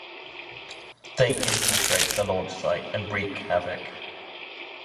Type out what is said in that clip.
They infiltrate the launch site and wreak havoc.